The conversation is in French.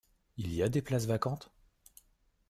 Il y a des places vacantes ?